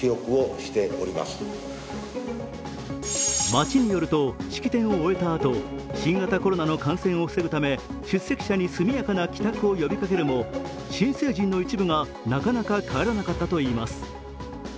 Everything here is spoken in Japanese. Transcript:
町によると、式典を終えたあと、新型コロナの感染を防ぐため出席者に速やかな帰宅を呼びかけるも新成人の一部がなかなか帰らなかったといいます。